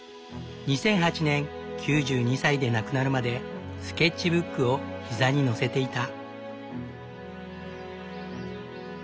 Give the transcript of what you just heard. ２００８年９２歳で亡くなるまでスケッチブックを膝にのせていた。